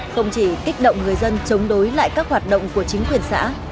không chỉ kích động người dân chống đối lại các hoạt động của chính quyền xã